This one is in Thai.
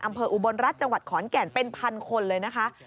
อุบลรัฐจังหวัดขอนแก่นเป็นพันคนเลยนะคะ